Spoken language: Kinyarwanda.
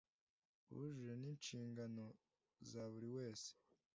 bujuje n inshingano za buri wese